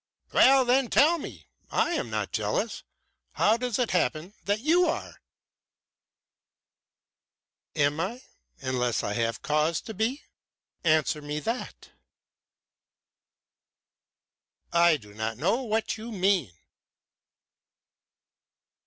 "Well then, tell me! I am not jealous how does it happen that you are?" "Am I, unless I have cause to be? Answer me that!" "I do not know what you mean."